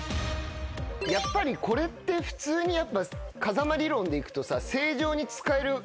やっぱりこれって普通に風間理論でいくと正常に使える。